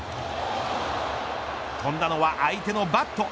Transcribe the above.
飛んだのは相手のバット。